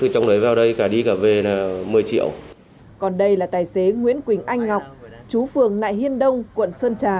còn đây là tài xế nguyễn quỳnh anh ngọc chú phường nại hiên đông quận sơn trà